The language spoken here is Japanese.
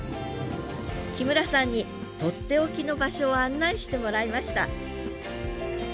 木村さんにとっておきの場所を案内してもらいました